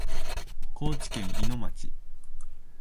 高知県いの町